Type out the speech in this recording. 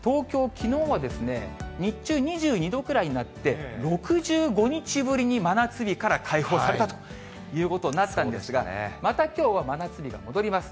きのうは日中２２度くらいになって、６５日ぶりに真夏日から解放されたということになったんですが、またきょうは真夏日が戻ります。